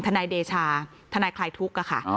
นายเดชาทนายคลายทุกข์ค่ะ